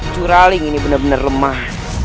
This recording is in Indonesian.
curaling ini benar benar lemah